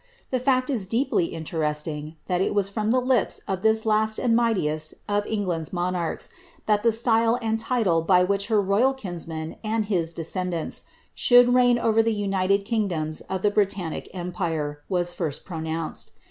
The &ct is deeply interesting, that it was from the lips of this last and mightiest of England's monarchs, that the style and title by which her royal kinsman and his descendants shonld reign over the united kingdoms of the Britannic empire, was first pronounced.